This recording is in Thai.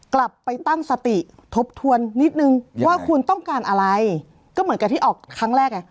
กลับไปตั้งสติทบทวนนิดนึงว่าคุณต้องการอะไรก็เหมือนกับที่ออกครั้งแรกไง